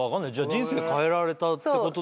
人生変えられたってことだ。